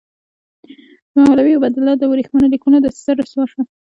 د مولوي عبیدالله د ورېښمینو لیکونو دسیسه رسوا شوه.